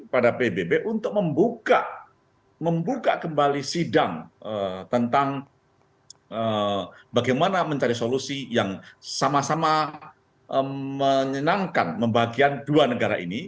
pada pbb untuk membuka kembali sidang tentang bagaimana mencari solusi yang sama sama menyenangkan membagikan dua negara ini